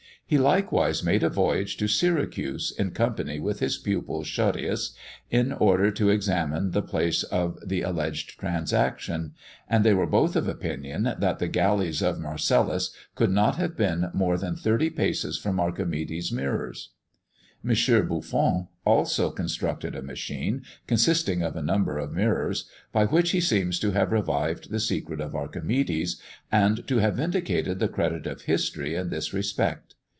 He likewise made a voyage to Syracuse, in company with his pupil Schottius, in order to examine the place of the alleged transaction; and they were both of opinion, that the galleys of Marcellus could not have been more than thirty paces from Archimedes' mirrors. M. Buffon also constructed a machine, consisting of a number of mirrors, by which he seems to have revived the secret of Archimedes, and to have vindicated the credit of history in this respect.